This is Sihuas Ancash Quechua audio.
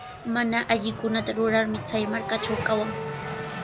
Mana allikunata rurarmi chay markatraw kawan.